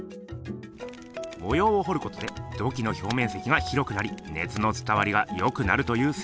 模様を彫ることで土器の表面積が広くなり熱の伝わりがよくなるという説。